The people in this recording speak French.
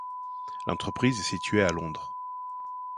L'entreprise est située à Londres.